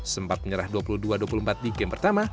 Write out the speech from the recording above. sempat menyerah dua puluh dua dua puluh empat di game pertama